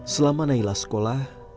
selama nailah sekolah